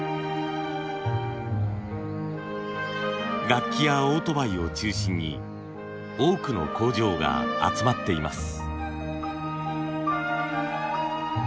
楽器やオートバイを中心に多くの工場が集まっています。